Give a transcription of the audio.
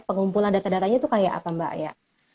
pengumpulan data datanya itu kayak apa mbak ya